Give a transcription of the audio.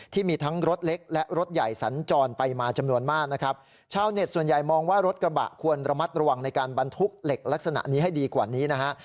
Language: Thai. ที่มีทั้งรถเล็กและรถใหญ่สัญจรไปมาจำนวนมากนะครับชาวเน็ตส่วนใหญ่มองว่ารถกระบะควรระมัดระวังในการบรรทุกเหล็กลักษณะนี้ให้ดีกว่านี้นะฮะ